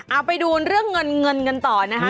เอาไปดูเรื่องเงินเงินกันต่อนะคะ